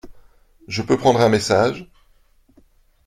Je peux prendre un message ?